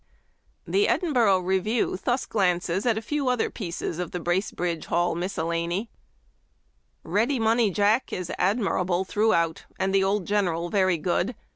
The " Edinburgh Review " thus glances at a few other pieces of the " Bracebridge Hall " miscellany :"' Ready Money Jack ' is admirable through out, and the old general very good.